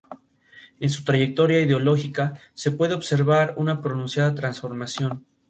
En esta posición, no logró alcanzar la siguiente etapa de la Copa Perú.